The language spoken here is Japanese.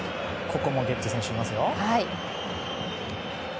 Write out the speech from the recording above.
ここもゲッツェ選手、いますよ。